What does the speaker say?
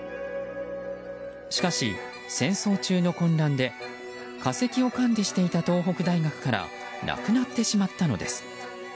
しかし、戦争中の混乱で化石を管理していた東北大学からなくなってしまったのです。